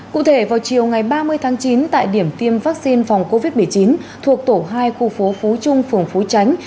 cụ thể vào chiều ngày ba mươi tháng chín tại điểm tiêm vaccine phòng covid một mươi chín thuộc tổ hai khu phố phú trung phường phú tránh